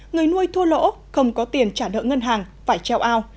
người nuôi thua lỗ không có tiền trả nợ ngân hàng phải treo ao